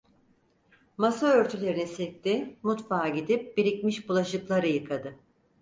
Masa örtülerini silkti, mutfağa gidip birikmiş bulaşıkları yıkadı.